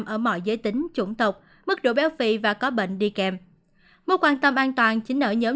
một trăm linh ở mọi giới tính chủng tộc mức độ béo phị và có bệnh đi kèm một quan tâm an toàn chính ở nhóm